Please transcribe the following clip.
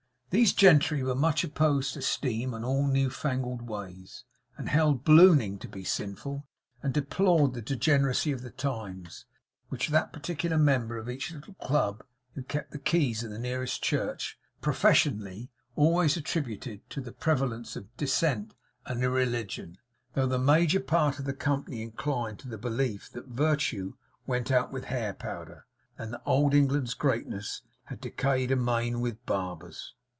These gentry were much opposed to steam and all new fangled ways, and held ballooning to be sinful, and deplored the degeneracy of the times; which that particular member of each little club who kept the keys of the nearest church, professionally, always attributed to the prevalence of dissent and irreligion; though the major part of the company inclined to the belief that virtue went out with hair powder, and that Old England's greatness had decayed amain with barbers.